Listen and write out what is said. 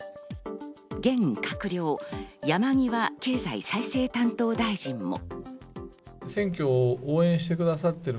現閣僚・山際経済再生担当大臣も。